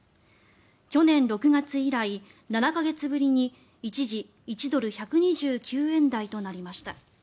去年６月以来７か月ぶりに一時、１ドル＝１２９円台となりました。